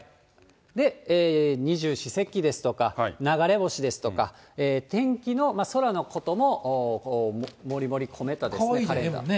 二十四節気ですとか、流れ星ですとか、天気の、空のことももりもり込めたカレンダー。